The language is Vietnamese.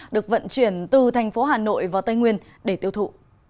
được vận chuyển từ thành phố hà nội vào tây nguyên để tiêu thụ